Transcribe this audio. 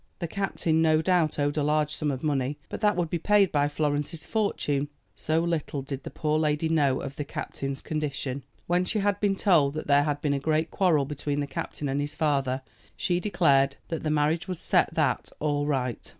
The captain, no doubt, owed a large sum of money, but that would be paid by Florence's fortune. So little did the poor lady know of the captain's condition. When she had been told that there had been a great quarrel between the captain and his father, she declared that the marriage would set that all right.